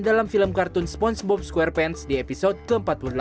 dalam film kartun spongebob squarepans di episode ke empat puluh delapan